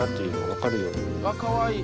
かわいい。